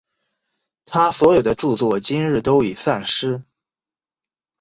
他所有的着作今日都已散失。